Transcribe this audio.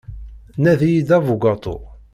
Nadi-iyi-d abugaṭu.